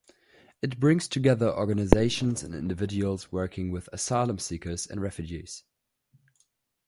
It brings together organisations and individuals working with asylum seekers and refugees.